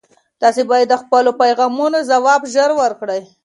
تاسي باید د خپلو پیغامونو ځواب ژر ورکړئ.